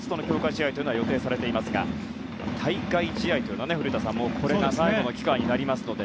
試合は予定されていますが対外試合というのはこれが最後の機会になります。